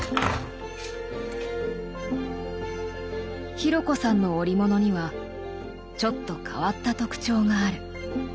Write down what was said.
紘子さんの織物にはちょっと変わった特徴がある。